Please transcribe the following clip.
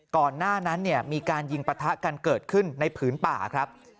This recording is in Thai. ก่อนหน้านั้นมีการยิงปะทะกันเกิดขึ้นในผืนป่าครับ